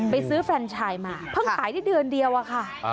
ไปซื้อแฟนชายมาเพิ่งขายได้เดือนเดียวอะค่ะ